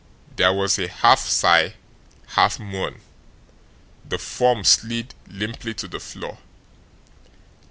There was a half sigh, half moan. The form slid limply to the floor.